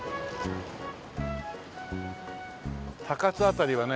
高津辺りはね